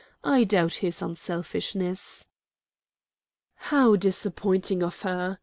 I doubt his unselfishness." "How disappointing of her!"